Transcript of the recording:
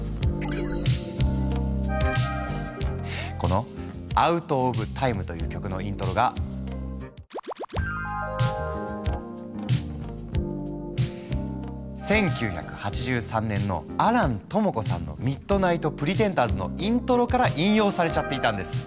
この「ＯｕｔｏｆＴｉｍｅ」という曲のイントロが１９８３年の亜蘭知子さんの「ＭｉｄｎｉｇｈｔＰｒｅｔｅｎｄｅｒｓ」のイントロから引用されちゃっていたんです。